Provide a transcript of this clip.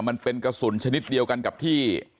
มันเป็นกระสุนชนิดเดียวกันกับที่